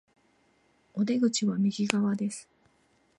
お出口は右側です